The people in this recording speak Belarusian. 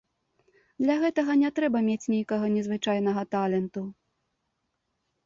Для гэтага не трэба мець нейкага незвычайнага таленту.